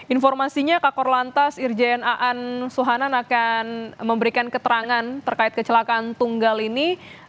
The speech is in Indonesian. informasinya kakor lantas irjen aan suhanan akan memberikan keterangan terkait kecelakaan tunggal ini